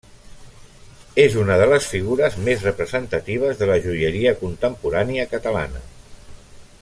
És una de les figures més representatives de la joieria contemporània catalana.